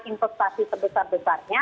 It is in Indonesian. dan kemudian untuk melakukan penjualan